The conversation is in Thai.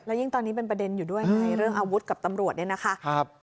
ยิ่งตอนนี้เป็นประเด็นอยู่ด้วยไงเรื่องอาวุธกับตำรวจเนี่ยนะคะ